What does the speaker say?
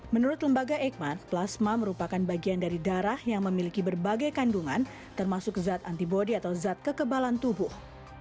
menurut lembaga eikman plasma merupakan bagian dari darah yang memiliki berbagai kandungan termasuk zat antibody atau zat kekebalan tubuh